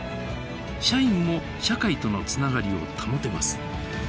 社員も社会とのつながりを保てます。